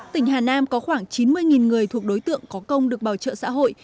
tỉnh hà nam có khoảng chín mươi người thuộc đối tượng có công được bảo trợ xã hội